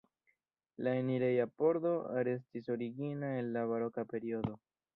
La enireja pordo restis origina el la baroka periodo.